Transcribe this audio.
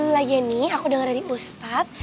lagi nih aku denger dari ustadz